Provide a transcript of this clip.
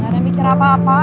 ada mikir apa apa